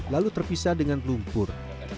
lalu terpisah dengan lumpur